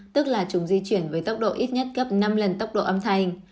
tức là chúng di chuyển với tốc độ ít nhất gấp năm lần tốc độ âm thanh